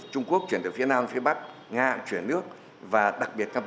trung quốc chuyển từ phía nam phía bắc nga chuyển nước